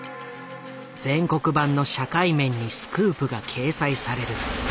全国版の社会面にスクープが掲載される。